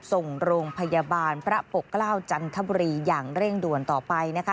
ส่งโรงพยาบาลพระปกเกล้าจันทบุรีอย่างเร่งด่วนต่อไปนะคะ